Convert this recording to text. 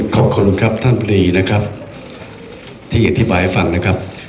ขอบคุณครับท่านพลตรีนะครับที่อธิบายให้ฟังนะครับ